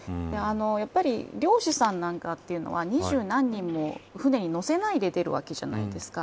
やっぱり漁師さん何かっていうのは２０何人も船に乗せないで出るわけじゃないですか。